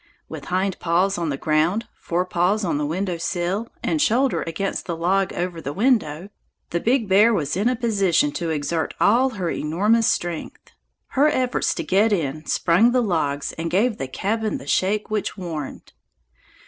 With hind paws on the ground, fore paws on the window sill, and shoulders against the log over the window, the big bear was in a position to exert all her enormous strength. Her efforts to get in sprung the logs and gave the cabin the shake which warned.